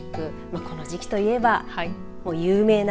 この時期といえば有名な。